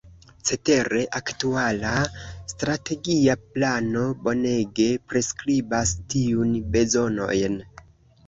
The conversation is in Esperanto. Cetere, aktuala Strategia Plano bonege priskribas tiun bezonojn.